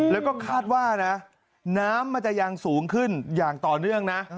แล้วก็คาดว่านะน้ำมันจะยังสูงขึ้นอย่างต่อเนื่องนะ